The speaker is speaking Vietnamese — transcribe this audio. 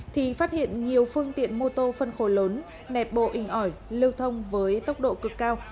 thì phát hiện nhiều phương tiện mô tô phân khối lớn nẹp bộ inh ỏi lưu thông với tốc độ cực cao